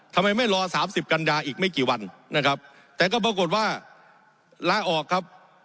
ทำไมไม่รอสามสิบกันดาอีกไม่กี่วันนะครับแต่ก็ปรากฏว่าลาออกครับ